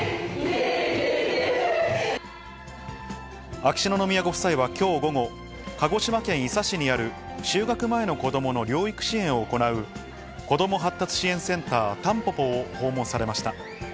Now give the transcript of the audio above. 秋篠宮ご夫妻はきょう午後、鹿児島県伊佐市にある、就学前の子どもの療育支援を行う子ども発達支援センターたんぽぽを訪問されました。